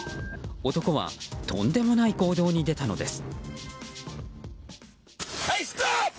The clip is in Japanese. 男はとんでもない行動に出たのです。